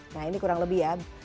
nah ini kurang lebih ya